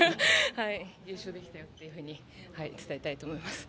優勝できたよっていうふうに伝えたいと思います。